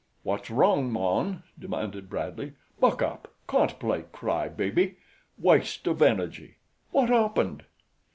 "What's wrong, man?" demanded Bradley. "Buck up! Can't play cry baby. Waste of energy. What happened?"